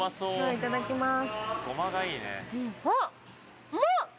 いただきます。